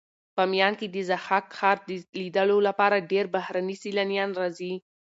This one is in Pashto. بامیان کې د ضحاک ښار د لیدلو لپاره ډېر بهرني سېلانیان راځي.